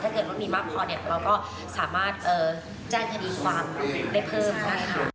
ถ้าเกิดว่ามีมากพอเนี่ยเราก็สามารถแจ้งคดีความได้เพิ่มนะคะ